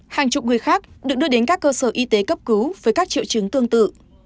hàng chục người khác được đưa đến các cơ sở y tế cấp cứu với các triệu chứng tương tự